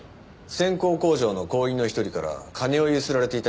線香工場の工員の一人から金をゆすられていたみたいです。